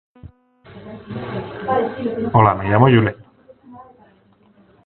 Paradoxikoa bada ere, artelanak hobeto ikusten dira katalogoan aurrez aurre baino.